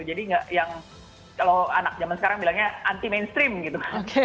jadi yang kalau anak zaman sekarang bilangnya anti mainstream gitu